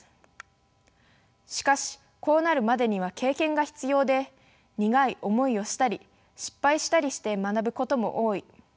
しかしこうなるまでには経験が必要で苦い思いをしたり失敗したりして学ぶことも多い。